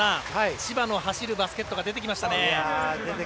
千葉の走るバスケットが出てきましたね。